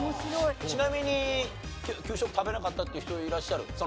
ちなみに給食食べなかったっていう人いらっしゃる？